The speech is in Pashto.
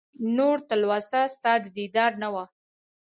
نور تلوسه ستا د دیدار نه وه